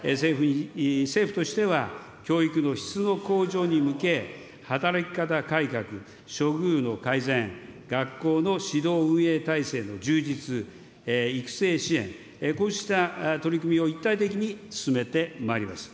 政府としては、教育の質の向上に向け、働き方改革、処遇の改善、学校の指導運営体制の充実、育成支援、こうした取り組みを一体的に進めてまいります。